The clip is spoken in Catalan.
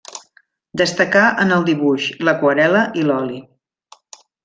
Destacà en el dibuix, l'aquarel·la i l'oli.